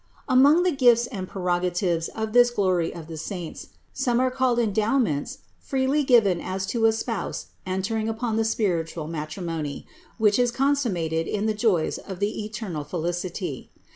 Among the gifts and prerogatives of this glory of the saints, some are called endowments freely given as to a spouse entering upon the spiritual matrimony, which is con summated in the joys of the eternal felicity.